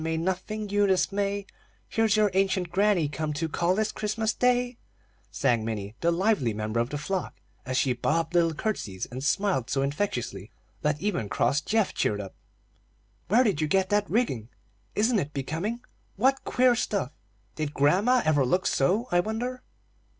May nothing you dismay; Here's your ancient granny come To call, this Christmas day," sang Minnie, the lively member of the flock, as she bobbed little curtseys and smiled so infectiously that even cross Geoff cheered up. "Where did you get that rigging?" "Isn't it becoming?" "What queer stuff!" "Did grandma ever look so, I wonder?"